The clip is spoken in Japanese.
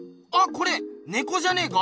これねこじゃねえか？